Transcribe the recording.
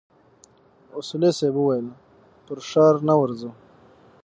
اصولي صیب وويل پر ښار نه ورځو.